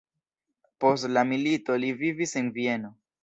Post la milito li vivis en Vieno.